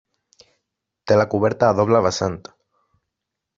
Té la coberta a doble vessant.